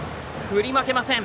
振り負けません。